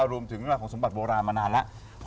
รวมถึงเรื่องเศรษฐ์โบราณมานานแล้ว